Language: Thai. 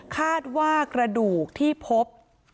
คาดว่ากระดูกที่พบ